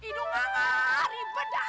ini enggak ribet dah